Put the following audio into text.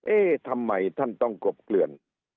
เอ๊ะทำไมท่านต้องกลบเกลือน